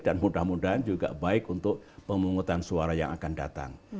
dan mudah mudahan juga baik untuk pemungutan suara yang akan datang